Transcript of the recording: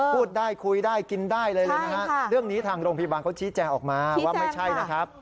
พูดได้คุยได้กินได้เลยนะฮะเรื่องนี้ทางโรงพยาบาลเขาชี้แจงออกมาว่าไม่ใช่นะครับ